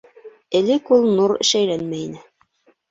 Элек ул нур шәйләнмәй ине.